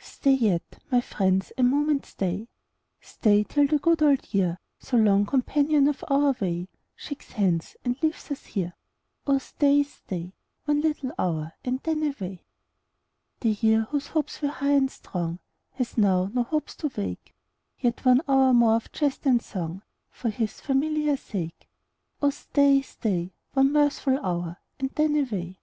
Stat yet, my friends, a moment stay — Stay till the good old year, So long companion of our way, Shakes hands, and leaves ns here. Oh stay, oh stay. One little hour, and then away. The year, whose hopes were high and strong, Has now no hopes to wake ; Yet one hour more of jest and song For his familiar sake. Oh stay, oh stay, One mirthful hour, and then away.